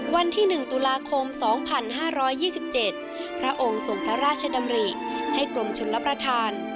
วันที่หนึ่งตุลาคมสองพันห้าร้อยยี่สิบเจ็ดพระองค์ทรงราชดำรีให้กลมชนรับประทาน